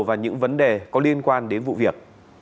và những vấn đề có liên quan đến vụ việc